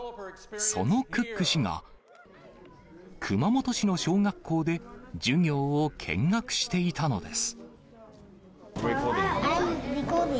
そのクック氏が、熊本市の小学校で授業を見学していたのです。